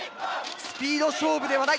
スピード勝負ではない。